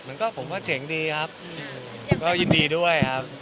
มันก็ผมก็เจ๋งดีครับก็ยินดีด้วยครับ